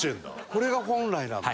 これが本来なんだ。